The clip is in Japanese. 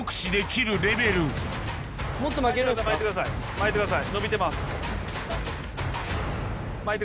巻いてください。